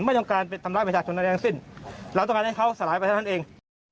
ไม่ต้องการไปทำร้ายประชาชนอะไรทั้งสิ้นเราต้องการให้เขาสลายไปเท่านั้นเอง